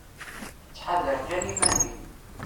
Tthadar kan iman-im.